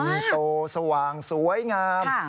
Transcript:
มันโตสว่างสวยงาม